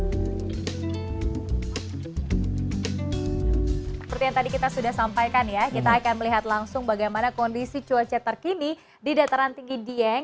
seperti yang tadi kita sudah sampaikan ya kita akan melihat langsung bagaimana kondisi cuaca terkini di dataran tinggi dieng